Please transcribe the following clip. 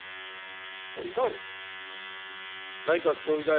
総理、いかがですか。